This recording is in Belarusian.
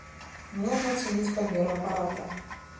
Можна ацаніць памеры апарата.